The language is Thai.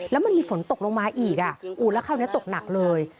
แล้วมันมีฝนตกลงมาอีกอูดแล้วเข้าตกหนักเลย